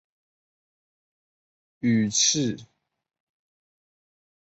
丽翅小瓢叶蚤为金花虫科小瓢叶蚤属下的一个种。